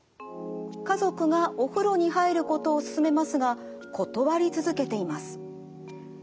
家族がお風呂に入ることを勧めますが断り続けています。